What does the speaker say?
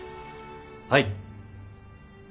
はい。